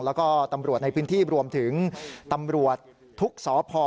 แล้วก็ตำรวจในพื้นที่รวมถึงตำรวจทุกสพ